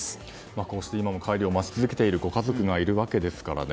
こうして今も帰りを待ち続けているご家族がいるわけですからね。